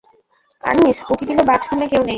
আনিস উঁকি দিল বাথরুমে-কেউ নেই।